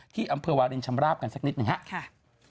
ที่อำเภอวาลินชำราบกันสักนิดหนึ่งครับ